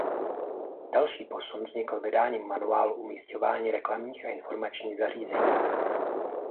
Další posun vznikl vydáním Manuálu umisťování reklamních a informačních zařízení.